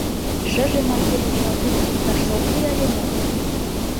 Шыже марте вучалтен шукташ ок лий ыле мо?